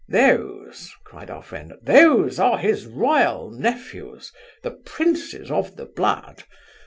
'Those! (cried our friend) those are his royal nephews; the princes of the blood.